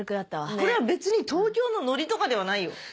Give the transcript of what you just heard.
これは別に東京のノリとかではないよ。